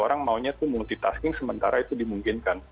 orang maunya tuh multitasking sementara itu dimungkinkan